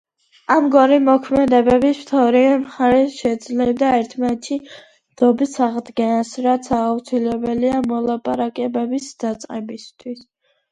ამგვარი მოქმედებებით ორივე მხარე შეძლებდა ერთმანეთში ნდობის აღდგენას, რაც აუცილებელია მოლაპარაკებების დაწყებისთვის.